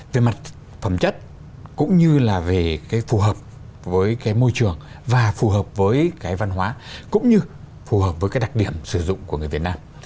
về mặt phẩm chất cũng như là về phù hợp với môi trường và phù hợp với văn hóa cũng như phù hợp với đặc điểm sử dụng của người việt nam